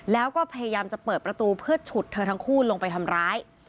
แล้วก็พยายามจะเปิดประตูเพื่อฉุดเธอทั้งคู่ลงไปทำร้าย